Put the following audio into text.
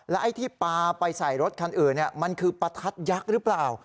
ไอ้ที่ปลาไปใส่รถคันอื่นมันคือประทัดยักษ์หรือเปล่า